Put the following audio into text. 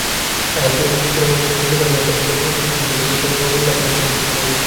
ILO পুরোনো মজুরিকাঠামোর প্রেক্ষাপটে প্রতিযোগী দেশগুলোর সঙ্গে মজুরির পার্থক্য দেখানোর চেষ্টা করেছে।